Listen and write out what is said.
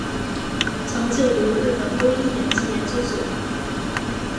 曾就读日本播音演技研究所。